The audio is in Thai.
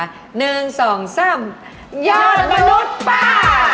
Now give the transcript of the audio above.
ยอดมนุษย์ป้า